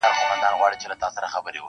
• چي دروازې وي د علم بندي -